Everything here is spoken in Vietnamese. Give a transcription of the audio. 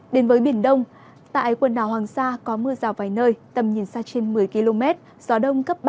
đến với biển đông tại quần đảo hoàng sa có mưa rào vài nơi tầm nhìn xa trên một mươi km gió đông cấp ba